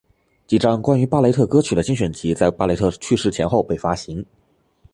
几张关于巴雷特歌曲的精选集在巴雷特去世前后被发行。